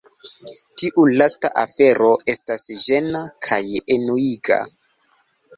Tiu lasta afero estas ĝena kaj enuiga.